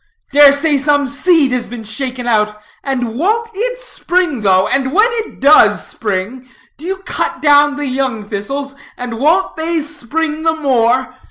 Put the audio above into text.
Dare say some seed has been shaken out; and won't it spring though? And when it does spring, do you cut down the young thistles, and won't they spring the more?